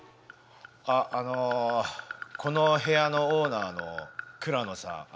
あっあのこの部屋のオーナーの倉野さん。